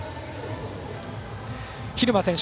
蛭間選手